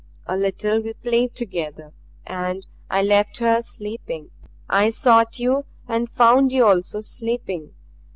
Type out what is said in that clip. A little we played together, and I left her sleeping. I sought you and found you also sleeping.